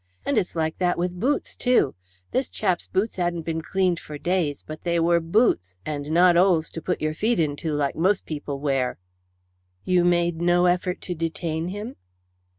And it's like that with boots too. This chap's boots hadn't been cleaned for days, but they were boots, and not holes to put your feet into, like most people wear." "You made no effort to detain him?"